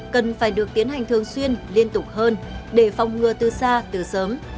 cần phải được tiến hành thường xuyên liên tục hơn để phòng ngừa từ xa từ sớm